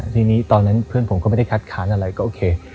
ทีนี้ตอนนั้นเพื่อนผมก็ไม่ได้คัดค้านอะไรก็โอเค